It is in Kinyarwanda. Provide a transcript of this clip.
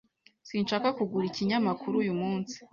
Sinshaka kugura ikinyamakuru uyu munsi